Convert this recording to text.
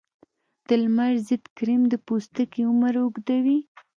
د لمر ضد کریم د پوستکي عمر اوږدوي.